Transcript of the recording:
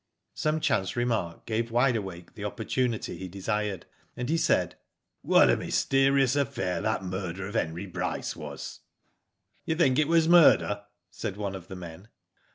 Some chance remark gave Wide Awake the opportunity he desired, and he said: Digitized byGoogk OLD WIDE AWAKE. 83 "What a mysterious affair that murder of Henry Bryce was ?" *'You think it was murder?'* said one of the men.